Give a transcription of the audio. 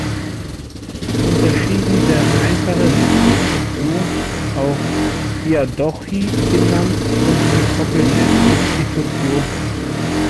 Unterschieden werden "einfache Substitution", auch Diadochie genannt, und "gekoppelte Substitution".